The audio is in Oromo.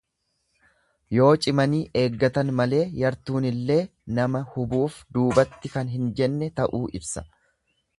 Yoo cimanii eeggatan malee yartuunillee nama hubuuf duubatti kan hin jenne ta'uu ibsa.